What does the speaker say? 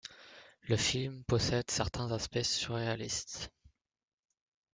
Le film possède certains aspects surréalistes.